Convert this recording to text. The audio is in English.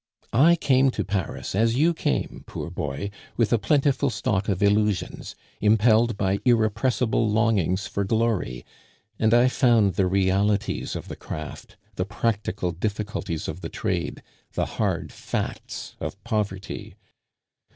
I came to Paris as you came, poor boy, with a plentiful stock of illusions, impelled by irrepressible longings for glory and I found the realities of the craft, the practical difficulties of the trade, the hard facts of poverty.